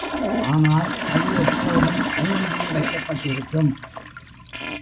ஆனால் அது எப்போதும் மூடியே வைக்கப்பட்டிருக்கும்.